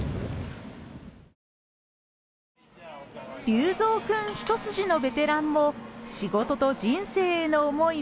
粒造くん一筋のベテランも仕事と人生への思いは同じ。